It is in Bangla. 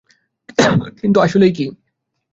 কিন্তু আসলেই কি?